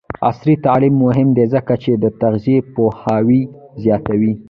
عصري تعلیم مهم دی ځکه چې د تغذیه پوهاوی زیاتوي.